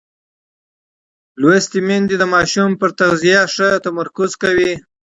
لوستې میندې د ماشوم پر تغذیه ښه تمرکز کوي.